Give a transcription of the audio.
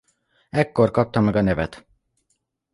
Ekkor kapta meg a nevet.